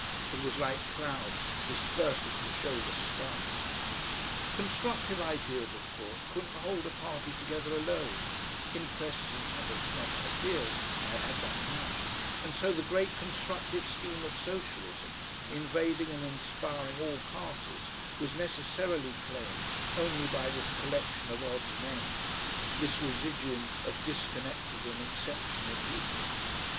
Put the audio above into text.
It was like clouds dispersing to show the sky. Constructive ideas, of course, couldn't hold a party together alone, "interests and habits, not ideas," I had that now, and so the great constructive scheme of Socialism, invading and inspiring all parties, was necessarily claimed only by this collection of odds and ends, this residuum of disconnected and exceptional people.